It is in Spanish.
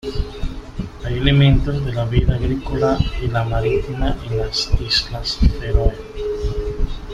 Hay elementos de la vida agrícola y la marítima en las Islas Feroe.